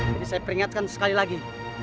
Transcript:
jadi saya peringatkan sekali lagi